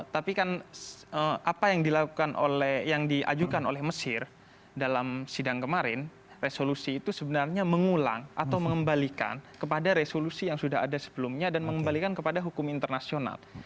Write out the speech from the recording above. tapi kan apa yang dilakukan oleh yang diajukan oleh mesir dalam sidang kemarin resolusi itu sebenarnya mengulang atau mengembalikan kepada resolusi yang sudah ada sebelumnya dan mengembalikan kepada hukum internasional